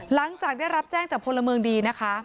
หลังจากได้รับแจ้งจากพลเมืองดีนะคะ